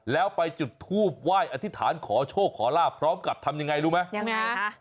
แล้วไปจุดทูบไหว้อธิษฐานขอโชคขอลาบพร้อมกับทำยังไงรู้ไหมยังไงคะ